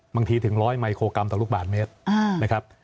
ถึง๑๐๐มิโครกรัมต่อลูกบาทเมตรนะครับ